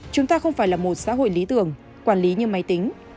chúng ta không phải là một xã hội lý tưởng quản lý như máy tính